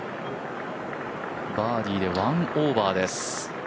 バーディーで１オーバーです。